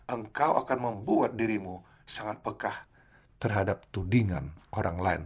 engkau akan membuat dirimu sangat peka terhadap tudingan orang lain